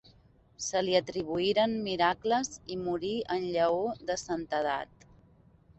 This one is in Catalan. Se li atribuïren miracles i morí en llaor de santedat.